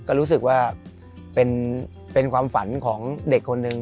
ก็รู้สึกว่าเป็นความฝันของเด็กคนหนึ่ง